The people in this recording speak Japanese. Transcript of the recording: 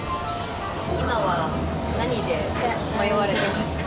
今は何で迷われてますか？